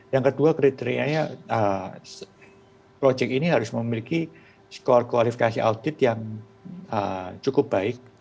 yang kedua kriterianya project ini harus memiliki skor kualifikasi audit yang cukup baik